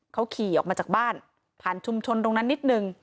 เขาขี่ออกมาจากบ้านผ่านชุมชนตรงนั้นนิดนึง